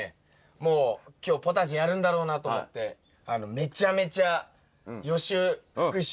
もう今日ポタジェやるんだろうなと思ってめちゃめちゃすごい。